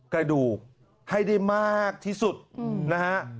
กระดูกให้ได้มากที่สุดนะฮะ